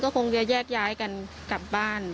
คงจะแยกย้ายกันกลับบ้าน